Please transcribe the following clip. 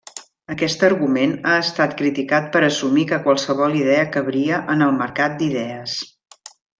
Aquest argument ha estat criticat per assumir que qualsevol idea cabria en el mercat d'idees.